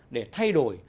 để thay đổi